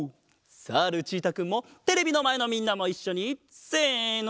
さあルチータくんもテレビのまえのみんなもいっしょにせの。